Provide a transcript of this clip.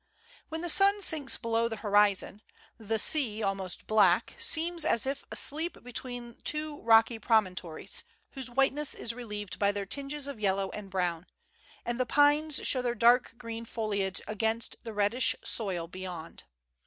When the sun sinks below tlie hori zon, the sea, almost black, seems as if asleep between two rocky promontories, whose whiteness is relieved by tinges of yellow and brown; and the pines show their dark green foliage against the reddish soil beyond.